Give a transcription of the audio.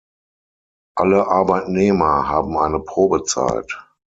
Alle Arbeitnehmer haben eine Probezeit.